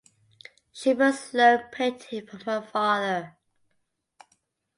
She first learned painting from her father.